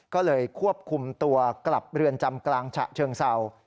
ก็เลยควบคุมตัวกลับเรือนจำกลางฉะเชิงเศร้า